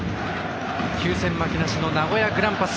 ９戦負けなしの名古屋グランパス。